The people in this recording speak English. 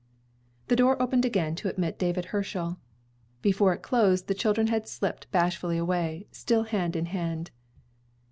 The door opened again to admit David Herschel. Before it closed the children had slipped bashfully away, still hand in hand.